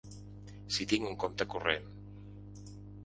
Si tinc un compte corrent.